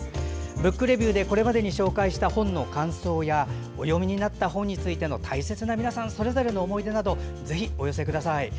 「ブックレビュー」でこれまでに紹介した本の感想やお読みになった本についての大切なそれぞれの思い出などぜひお寄せください。